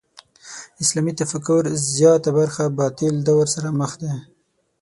اسلامي تفکر زیاته برخه باطل دور سره مخ ده.